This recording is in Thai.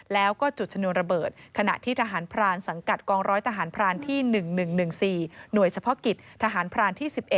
แล้วก็จุดชนวนระเบิดขณะที่ทหารพรานสังกัดกองร้อยทหารพรานที่๑๑๑๔หน่วยเฉพาะกิจทหารพรานที่๑๑